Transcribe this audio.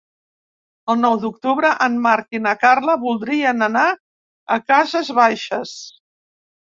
El nou d'octubre en Marc i na Carla voldrien anar a Cases Baixes.